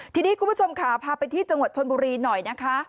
ทีนี้คุณผู้ชมค่ะพาไปที่จังหวัดชนบุรีหน่อยนะคะ